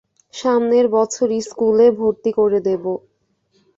সামনের বছর স্কুলে ভরতি করে দেব।